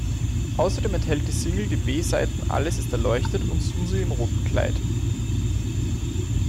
Außerdem enthält die Single die B-Seiten "Alles ist erleuchtet" und "Susi im roten Kleid".